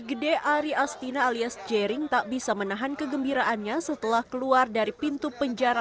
gede ari astina alias jering tak bisa menahan kegembiraannya setelah keluar dari pintu penjara